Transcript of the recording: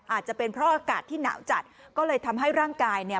อาจจะเป็นเพราะอากาศที่หนาวจัดก็เลยทำให้ร่างกายเนี่ย